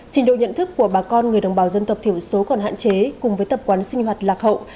trình độ nhận thức của bà con người đồng bào dân tộc thiểu số còn hạn chế cùng với tập quán sinh hoạt lạc hậu